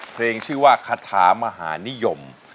ชื่อว่าคาถามหานิยม